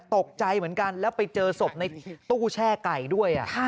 ตกใจเหมือนกันแล้วไปเจอศพในตู้แช่ไก่ด้วย